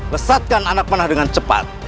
lesatkan anak panah dengan cepat